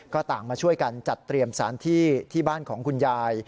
ก็ต่างมาช่วยกันจัดเตรียมสารที่ที่บ้านของคุณยาย